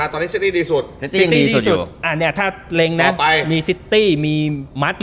ที่เราเปิดมาตอนนี้เซตตี้ดีสุด